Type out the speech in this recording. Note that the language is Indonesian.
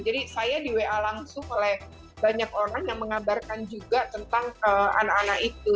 jadi saya di wa langsung oleh banyak orang yang mengabarkan juga tentang anak anak itu